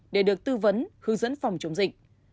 để được tư vấn hướng dẫn phòng chống dịch